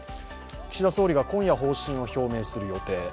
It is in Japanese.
岸田総理が今夜方針を表明する予定。